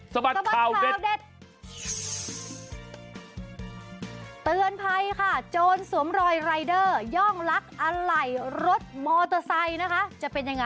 สะบัดข่าวเด็ด